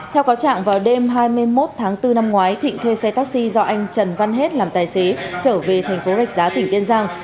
theo cáo trạng vào đêm hai mươi một tháng bốn năm ngoái thịnh thuê xe taxi do anh trần văn hết làm tài xế trở về thành phố rạch giá tỉnh kiên giang